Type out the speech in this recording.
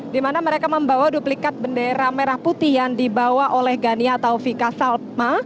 dimana mereka membawa duplikat bendera merah putih yang dibawa oleh gania taufika salma